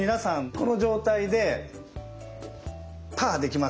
この状態で「パー」できますか？